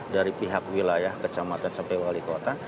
dari pihak wilayah kecamatan sampai wali kota